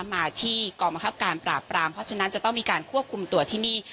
มาที่กองบังคับการปราบปรามเพราะฉะนั้นจะต้องมีการควบคุมตัวที่นี่